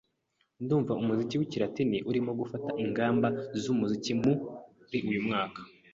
Ndumva umuziki wikilatini urimo gufata inganda zumuziki muri uyumwaka.